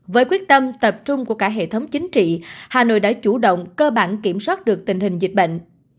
với quyết tâm tập trung của cả hệ thống chính trị hà nội đã chủ động cơ bản kiểm soát được tình hình dịch bệnh